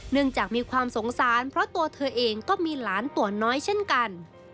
จากมีความสงสารเพราะตัวเธอเองก็มีหลานตัวน้อยเช่นกัน